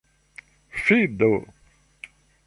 Fi do!